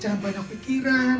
jangan banyak pikiran